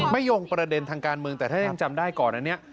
ยงประเด็นทางการเมืองแต่ถ้ายังจำได้ก่อนอันนี้